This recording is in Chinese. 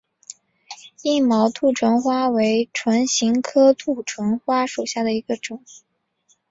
硬毛兔唇花为唇形科兔唇花属下的一个种。